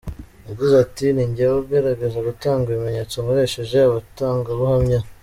Yagize ati “Ni njyewe ugerageza gutanga ibimenyetso nkoresheje abatangabuhamya.